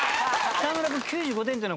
北村君。